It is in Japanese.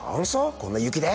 こんな雪で？」